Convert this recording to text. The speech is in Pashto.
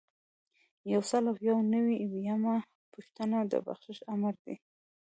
یو سل او یو نوي یمه پوښتنه د بخشش آمر دی.